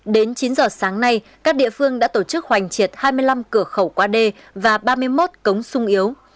đến chín giờ sáng nay các địa phương đã tổ chức hoành triệt hai mươi năm cửa khẩu qua đê và ba mươi một cống sung yếu